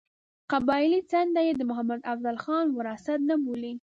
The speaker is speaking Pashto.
قبایلي څنډه یې د محمد افضل خان وراثت نه بولي.